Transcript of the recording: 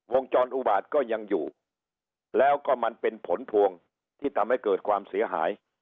วงจรอุบาตก็ยังอยู่แล้วก็มันเป็นผลพวงที่ทำให้เกิดความเสียหาย